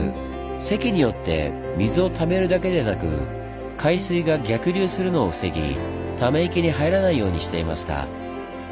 堰によって水をためるだけでなく海水が逆流するのを防ぎ溜池に入らないようにしていました。